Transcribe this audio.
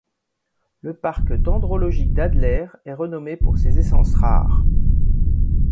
Le parc dendrologique d'Adler est renommé pour ses essences rares.